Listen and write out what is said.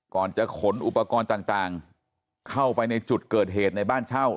ก่อนจะขนอุปกรณ์ต่างเข้าไปในจุดเกิดเหตุในบ้านเช่า